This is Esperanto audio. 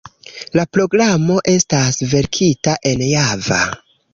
La programo estas verkita en Java.